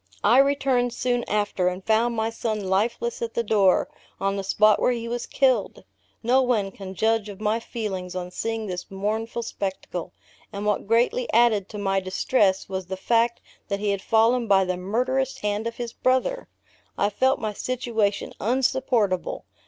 I returned soon after, and found my son lifeless at the door, on the spot where he was killed! No one can judge of my feelings on seeing this mournful spectacle; and what greatly added to my distress, was the fact that he had fallen by the murderous hand of his brother! I felt my situation unsupportable.